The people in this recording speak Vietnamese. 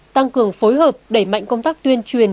tăng cường phối hợp đẩy mạnh công tác tuyên truyền